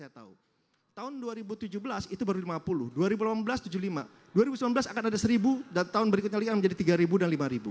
tahun dua ribu tujuh belas itu baru lima puluh dua ribu delapan belas tujuh puluh lima dua ribu sembilan belas akan ada seribu dan tahun berikutnya lagi akan menjadi tiga ribu dan lima ribu